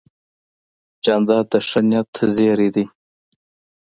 جانداد د ښه نیت زېرى دی.